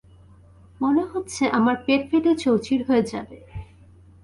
মনে হচ্ছে আমার পেট ফেটে চৌচির হয়ে যাবে।